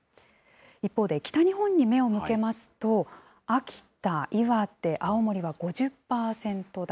一方で、北日本に目を向けますと、秋田、岩手、青森は５０％台。